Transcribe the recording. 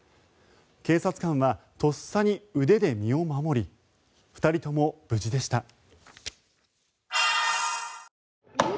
警察官はとっさに腕で身を守り２人とも無事でした。